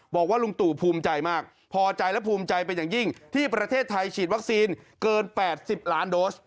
บอกว่าลุงตู่ภูมิใจมากพอใจและภูมิใจเป็นอย่างยิ่งที่ประเทศไทยฉีดวัคซีนเกิน๘๐ล้านโดส